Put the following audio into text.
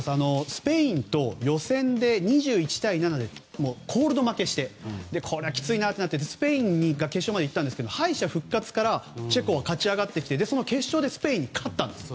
スペインと予選で２１対７でコールド負けしてこりゃきついなとなってスペインが決勝に行ったんですが敗者復活からチェコが勝ち上がってきてその決勝でスペインに勝ったんです。